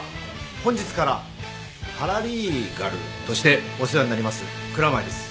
本日からパラリーガル？としてお世話になります蔵前です。